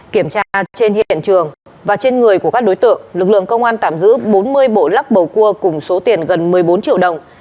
kiểm tra trên hiện trường và trên người của các đối tượng lực lượng công an tạm giữ bốn mươi bộ lắc bầu cua cùng số tiền gần một mươi bốn triệu đồng